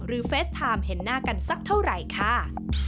เฟสไทม์เห็นหน้ากันสักเท่าไหร่ค่ะ